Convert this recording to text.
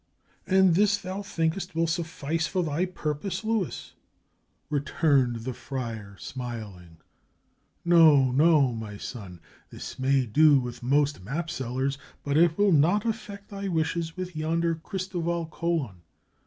"And this, thou thinkest, will suffice for thy purpose, Luis!" returned the friar, smiling. "No, no, my son; this may do with most map sellers, but it will not effect thy wishes with yonder Christoval Colon.